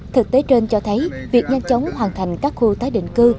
thực tế trên cho thấy việc nhanh chóng hoàn thành các khu tái định cư